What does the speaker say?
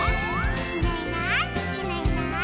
「いないいないいないいない」